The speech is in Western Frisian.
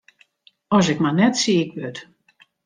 As ik mar net siik wurd!